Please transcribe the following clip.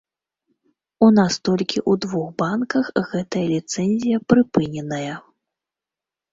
У нас толькі ў двух банках гэтая ліцэнзія прыпыненая.